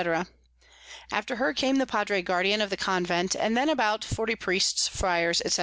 _ After her came the Padre Guardian of the Convent, and then about forty Priests, Fryars, _&c.